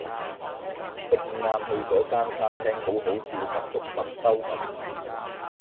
食晏去咗間餐廳好好笑十足麥兜噉